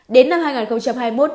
đến năm hai nghìn hai mươi một